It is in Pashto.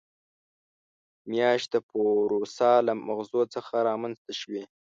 میاشت د پوروسا له مغزو څخه رامنځته شوې.